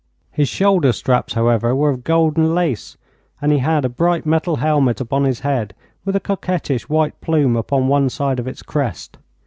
His shoulder straps, however, were of golden lace, and he had a bright metal helmet upon his head, with a coquettish white plume upon one side of its crest.